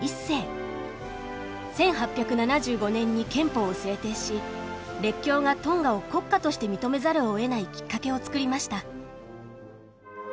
１８７５年に憲法を制定し列強がトンガを国家として認めざるをえないきっかけを作りました。